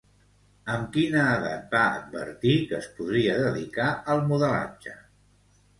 Amb quina edat va advertir que es podria dedicar al modelatge?